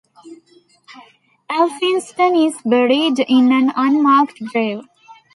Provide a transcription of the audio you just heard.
Elphinstone is buried in an unmarked grave.